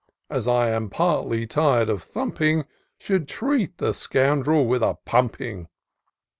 As I am partly tired of thumping, Should treat the scoundrel with a pumping."